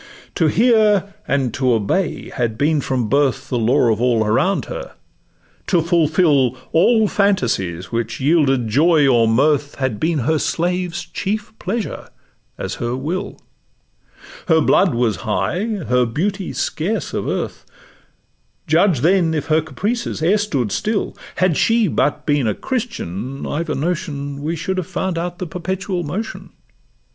'To hear and to obey' had been from birth The law of all around her; to fulfill All phantasies which yielded joy or mirth, Had been her slaves' chief pleasure, as her will; Her blood was high, her beauty scarce of earth: Judge, then, if her caprices e'er stood still; Had she but been a Christian, I've a notion We should have found out the 'perpetual motion.